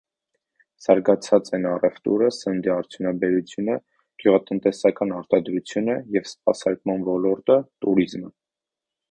Զարգացած են առևտուրը, սննդի արդյունաբերությունը, գյուղատնտեսական արտադրությունը և սպասարկման ոլորտը, տուրիզմը։